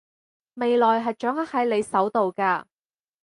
未來係掌握喺你手度㗎